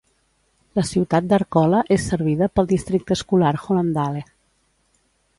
La ciutat d'Arcola és servida pel districte escolar Hollandale.